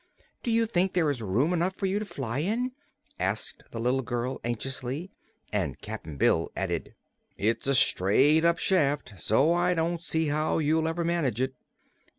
"Do you think there is room enough for you to fly in?" asked the little girl anxiously; and Cap'n Bill added: "It's a straight up shaft, so I don't see how you'll ever manage it."